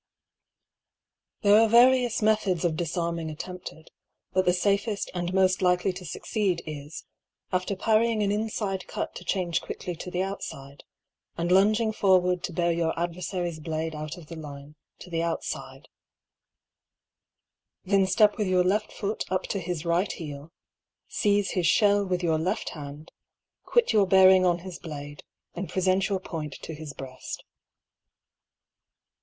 npHERE are various methods of difarming at tempted, but the fafeft and mod likely to fucceed is, after parrying an inlide cut to change quickly to the outfide, and longeing forward to bear your adveifary's blade out of the line to the outfide, then ftep with your left foot up to his right heel, feize his ihell with your left hand, quit your bearing on his blade, and prefent your point to his breaft.